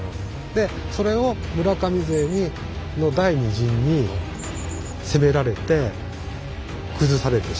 でそれを村上勢の第２陣に攻められて崩されてしまう。